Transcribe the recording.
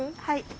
はい。